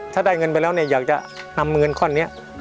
ถ้าได้เงินไปแล้วเนี่ยอยากจะนำเงินก้อนนี้